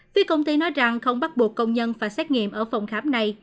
phía công ty nói rằng không bắt buộc công nhân phải xét nghiệm ở phòng khám này